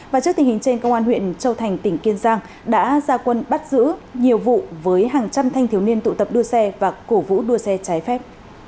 và trước tình hình trên công an huyện châu thành tỉnh kiên giang đã ra quân bắt giữ nhiều vụ với hàng trăm thanh thiếu niên tụ tập đua xe và cổ vũ đua xe trái phép